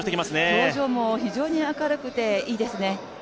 表情も非常に明るくていいですね。